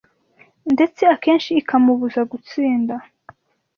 ndetse akenshi ikamubuza gutsinda.